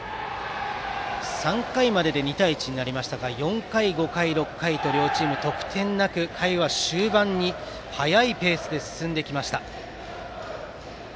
３回までで２対１になりましたが４回、５回、６回と両チーム得点なく回は終盤に速いペースで進んできました。